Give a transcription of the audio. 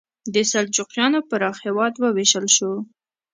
د سلجوقیانو پراخ هېواد وویشل شو.